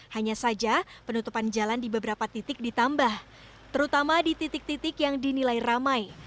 hanya saja penutupan jalan di beberapa titik ditambah terutama di titik titik yang dinilai ramai